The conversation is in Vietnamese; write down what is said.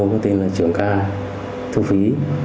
có tên là trưởng ca thu phí